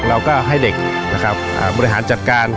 เราก็ให้เด็กบริหารจัดการ